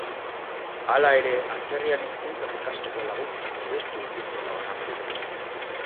Hala ere, atzerrian hizkuntzak ikasteko laguntzak murriztu dituztela onartu du.